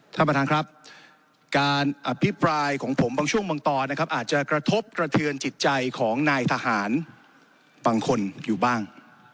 ท่านประธานครับการอภิปรายของผมบางช่วงบางตอนนะครับอาจจะกระทบกระเทือนจิตใจของนายทหารบางคนอยู่บ้าง